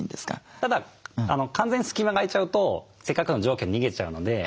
ただ完全に隙間が空いちゃうとせっかくの蒸気が逃げちゃうので。